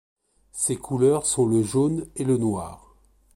Ses couleurs sont le jaune et le noir.